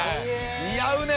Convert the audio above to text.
似合うね